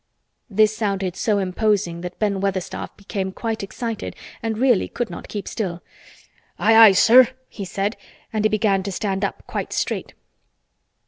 This sounded so imposing that Ben Weatherstaff became quite excited and really could not keep still. "Aye, aye, sir," he said and he began to stand up quite straight.